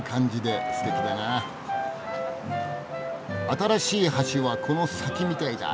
新しい橋はこの先みたいだ。